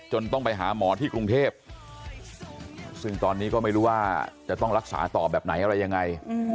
ต้องไปหาหมอที่กรุงเทพซึ่งตอนนี้ก็ไม่รู้ว่าจะต้องรักษาต่อแบบไหนอะไรยังไง